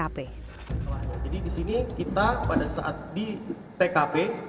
jadi di sini kita pada saat di tkp